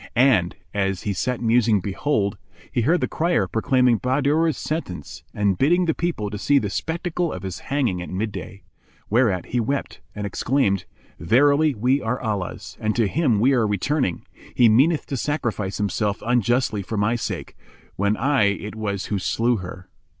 And, as he sat musing behold, he heard the crier proclaiming Bahadur's sentence and bidding the people to see the spectacle of his hanging at midday; whereat he wept and exclaimed, "Verily, we are Allah's and to Him we are returning! He meaneth to sacrifice himself unjustly for my sake, when I it was who slew her.